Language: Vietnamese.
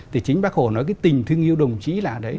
thì chính bác hồ nói tình thương yêu đồng chí là